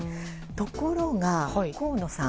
ところが、河野さん